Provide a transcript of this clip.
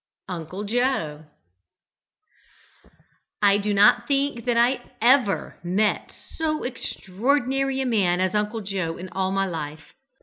UNCLE JOE. I do not think that I ever met so extraordinary a man as Uncle Joe in all my life.